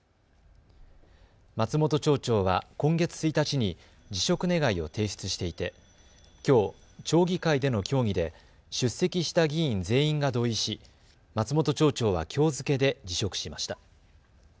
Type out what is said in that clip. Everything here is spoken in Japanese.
松本町長は今月１日に辞職願を提出していてきょう町議会での協議で出席した議員全員が同意し松本町長はきょう付けで辞職しました。